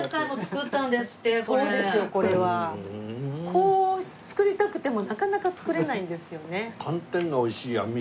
こう作りたくてもなかなか作れないんですよね。